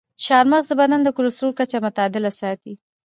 چارمغز د بدن د کلسترول کچه متعادله ساتي.